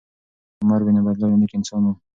عمر بن عبیدالله یو نېک انسان و.